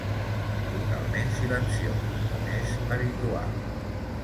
Totalment silenciós, com és habitual.